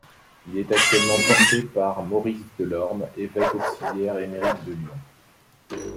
Il est actuellement porté par Maurice Delorme, évêque auxiliaire émérite de Lyon.